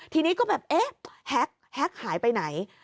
ทีนี้ก็แบบเอ๊ะแฮ็กหายไปไหน